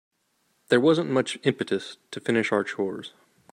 There wasn't much impetus to finish our chores.